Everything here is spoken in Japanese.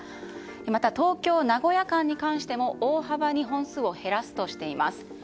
また、東京名古屋間に関しても大幅に本数を減らすとしています。